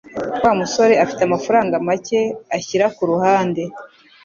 Wa musore afite amafaranga make ashyira kuruhande.